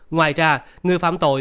ngoài ra người phạm tội